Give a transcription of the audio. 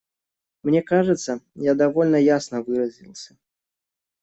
Мне кажется, я довольно ясно выразился.